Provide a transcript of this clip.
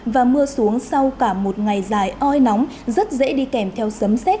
và mưa xuống sau cả một ngày dài oi nóng rất dễ đi kèm theo sấm xét